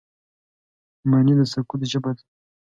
مني د سکوت ژبه لري